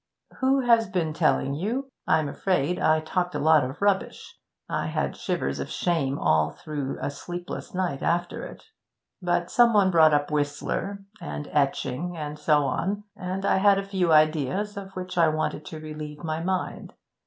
'Who has been telling you? I'm afraid I talked a lot of rubbish; I had shivers of shame all through a sleepless night after it. But some one brought up Whistler, and etching, and so on, and I had a few ideas of which I wanted to relieve my mind.